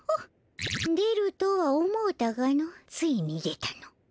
出るとは思うたがのついに出たの。